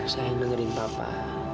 sayang dengerin papa